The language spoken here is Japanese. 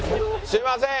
すいません。